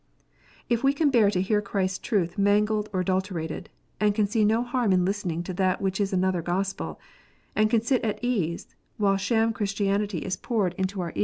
If we can bear to hear Christ s truth mangled or adulterated, and can see no harm in listening to that which is another Gospel, and can sit at ease while sham Christianity is poured into our 58 KNOTS UNTIED.